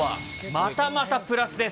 またまたプラスです。